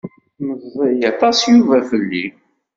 Meẓẓi aṭas Yuba fell-i.